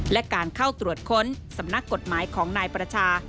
และการเข้าตรวจค้นสำนักกฎหมายของนายประชา